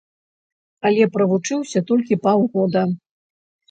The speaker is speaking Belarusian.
Але правучыўся толькі паўгода.